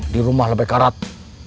di rumah lebay karatun